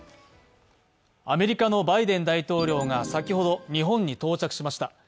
アメリカのバイデン大統領が先ほど日本に到着しました。